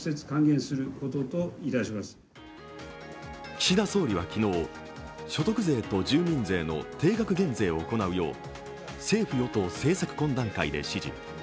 岸田総理は昨日、所得税と住民税の定額減税を行うよう政府与党政策懇談会で指示。